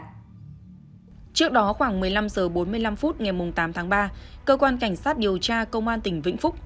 trước đó khoảng một mươi năm h bốn mươi năm phút ngày tám tháng ba cơ quan cảnh sát điều tra công an tỉnh vĩnh phúc